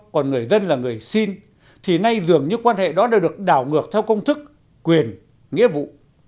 còn người dân là người xin thì nay dường như quan hệ đó đã được đảo ngược theo công thức quyền nghĩa vụ